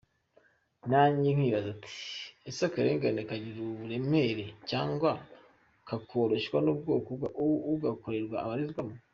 Nanjye nkibaza nti “ese akarengane kagira uburemere cyangwa kakoroshywa n’ubwoko ugakorerwa abarizwamo ?